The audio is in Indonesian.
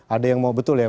ada yang mau